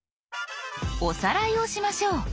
おさらいをしましょう。